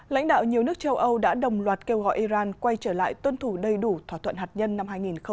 lãnh đạo nhiều nước châu âu đã đồng loạt kêu gọi iran quay trở lại tuân thủ đầy đủ thỏa thuận hạt nhân năm hai nghìn một mươi năm